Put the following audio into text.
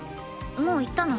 もう行ったの？